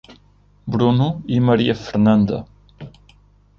Bruno e Maria Fernanda